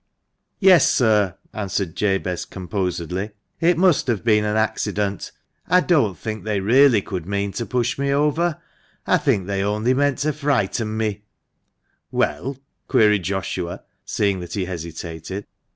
"Yes, sir," answered Jabez, composedly: "it must have been an accident. I don't think they really could mean to push me over. I think they only meant to frighten me "" Well ?" queried Joshua, seeing that he hesitated.